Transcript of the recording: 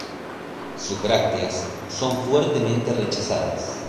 Sus brácteas son fuertemente rechazadas.